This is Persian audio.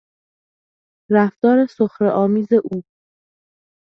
رفتار سخره آمیز او